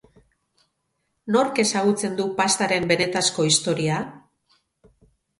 Nork ezagutzen du pastaren benetazko historia?